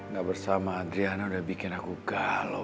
gak bersama adriana udah bikin aku kalau